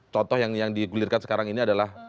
contoh yang digulirkan sekarang ini adalah